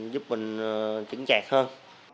giúp mình kiểm trạng hơn